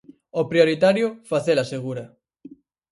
O prioritario: facela segura.